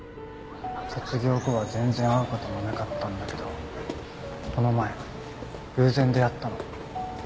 卒業後は全然会う事もなかったんだけどこの前偶然出会ったの。